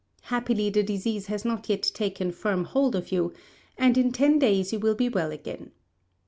Happily, the disease has not yet taken firm hold of you, and in ten days you will be well again."